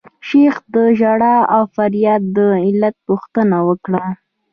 شیخ د ژړا او فریاد د علت پوښتنه وکړه.